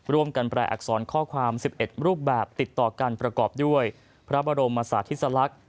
แปลอักษรข้อความ๑๑รูปแบบติดต่อกันประกอบด้วยพระบรมศาสติสลักษณ์